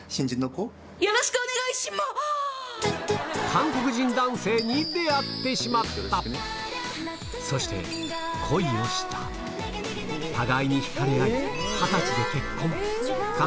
韓国人男性に出会ってしまったそして恋をした互いに引かれ合い